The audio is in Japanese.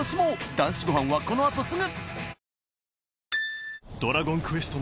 『男子ごはん』はこのあとすぐ！